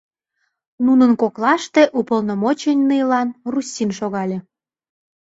Нунын коклаште уполномоченныйлан Руссин шогале.